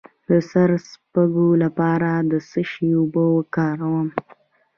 د سر د سپږو لپاره د څه شي اوبه وکاروم؟